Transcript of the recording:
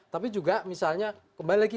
tapi juga misalnya kembali lagi